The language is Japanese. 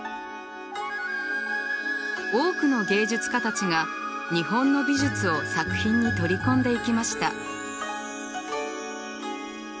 多くの芸術家たちが日本の美術を作品に取り込んでいきました。